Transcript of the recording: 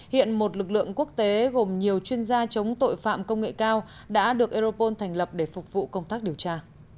hiện một lực lượng quốc tế gồm nhiều chuyên gia chống tội phạm công nghệ cao đã được europol thành lập để phục vụ công tác điều tra